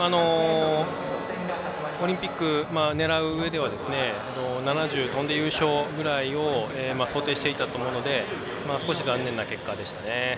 オリンピック狙ううえでは７０ｃｍを跳んで優勝ということを想定していたと思うので少し残念な結果でしたね。